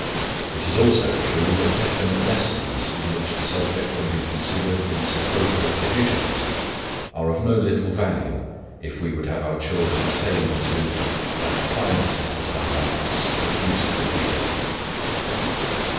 It is also true that definite lessons, in which the subject can be considered in its appropriate divisions, are of no little value if we would have our children attain to "that finest of the fine arts, a beautiful behavior."